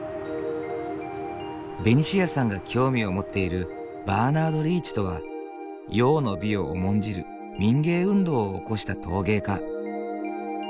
ベニシアさんが興味を持っているバーナード・リーチとは用の美を重んじる民藝運動を起こした陶芸家。